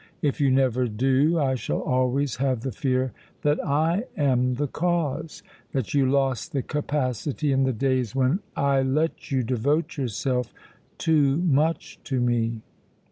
If you never do, I shall always have the fear that I am the cause, that you lost the capacity in the days when I let you devote yourself too much to me."